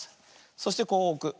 そしてこうおく。